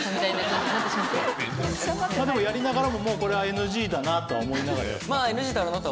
でもやりながらももうこれはＮＧだなとは思いながらやってた？